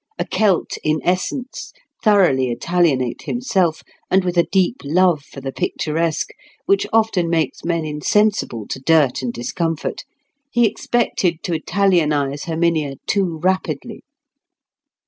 A Celt in essence, thoroughly Italianate himself, and with a deep love for the picturesque, which often makes men insensible to dirt and discomfort, he expected to Italianise Herminia too rapidly.